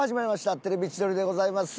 『テレビ千鳥』でございます。